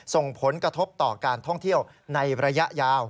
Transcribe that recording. ส่งผลกระทบต่อการท่องเที่ยวในระยะยาว